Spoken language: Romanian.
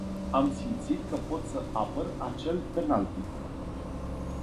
Am simțit că pot să apăr acel penalty.